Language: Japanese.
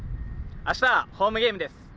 明日はホームゲームです。